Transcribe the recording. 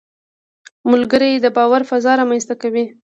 ملګری د باور فضا رامنځته کوي